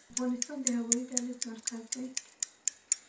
افغانستان د هوایي دهلیز مرکز دی؟